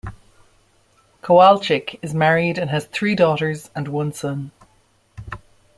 Kowalczyk is married and has three daughters and one son.